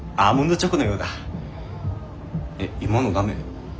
えっ今のダメ？